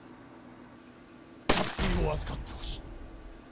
チャッピーを預かってほしい。